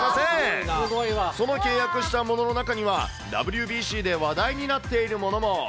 その契約したものの中には、ＷＢＣで話題になっているものも。